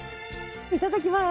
いただきます！